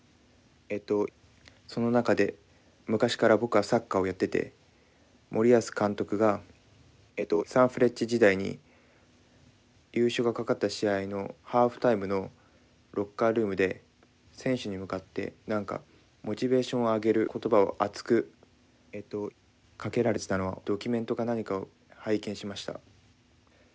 その中で昔から僕はサッカーをやってて森保監督がサンフレッチェ時代に優勝が懸かった試合のハーフタイムのロッカールームで選手に向かって何かモチベーションを上げる言葉を熱くかけられてたのをドキュメントか何かを拝見しました。